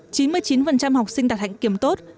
trong năm học vừa qua chín mươi chín học sinh đạt hãnh kiểm tốt